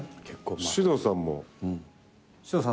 獅童さんも。うん。